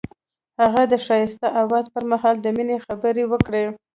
هغه د ښایسته اواز پر مهال د مینې خبرې وکړې.